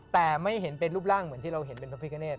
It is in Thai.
แต่ไม่เห็นเป็นรูปร่างเหมือนที่เราเห็นเป็นพระพิกาเนต